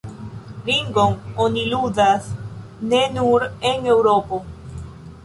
Ringon oni ludas ne nur en Eŭropo.